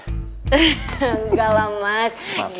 enggak lah mas